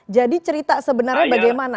jadi cerita sebenarnya bagaimana